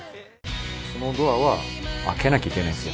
そのドアは開けなきゃいけないんです